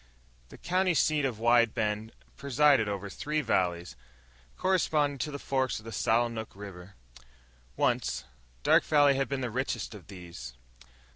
The county seat of Wide Bend presided over three valleys, corresponding to the forks of the Sallinook River. Once, Dark Valley had been the richest of these.